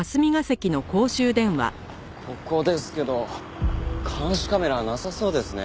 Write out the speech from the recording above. ここですけど監視カメラはなさそうですね。